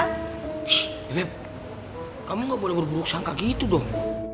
shh bebe kamu gak boleh berburuk sangka gitu dong